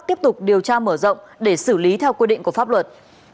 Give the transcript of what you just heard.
tiếp tục điều tra mở rộng để xử lý theo quy định của pháp luật